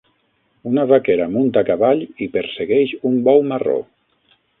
Una vaquera munta a cavall i persegueix un bou marró.